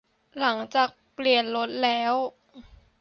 หลังจากเปลี่ยนรถแล้ว